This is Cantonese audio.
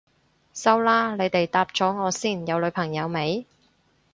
收啦，你哋答咗我先，有女朋友未？